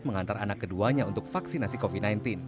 mengantar anak keduanya untuk vaksinasi covid sembilan belas